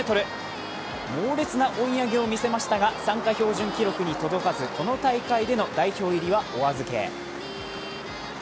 猛烈な追い上げを見せましたが参加標準記録に届かず、この大会での代表入りはお預け。